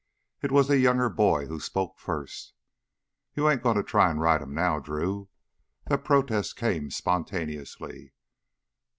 It was the younger boy who spoke first. "You ain't goin' to try to ride him now, Drew!" That protest came spontaneously.